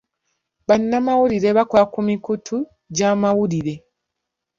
Bannamawulire bakola ku mikutu gy'amawulire.